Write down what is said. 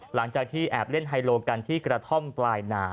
หลังจากที่แอบเล่นไฮโลกันที่กระท่อมปลายนา